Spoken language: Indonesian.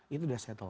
itu sudah settle